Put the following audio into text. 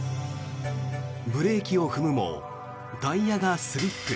ブレーキを踏むもタイヤがスリップ。